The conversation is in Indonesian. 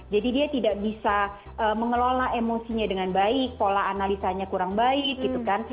jadi dia tidak bisa mengelola emosinya dengan baik pola analisanya kurang baik gitu kan